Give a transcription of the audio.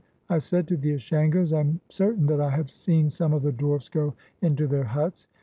I said to the Ashangos, "I am certain that I have seen some of the dwarfs go into their huts."